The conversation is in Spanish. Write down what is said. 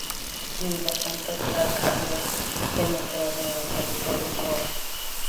Mientras tanto, Clark había penetrado en territorio Crow.